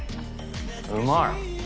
うまい！